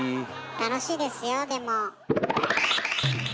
楽しいですよでも。